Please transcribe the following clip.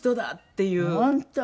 本当！